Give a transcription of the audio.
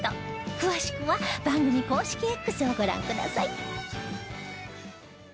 詳しくは番組公式 Ｘ をご覧ください